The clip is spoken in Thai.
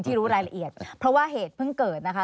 รู้รายละเอียดเพราะว่าเหตุเพิ่งเกิดนะคะ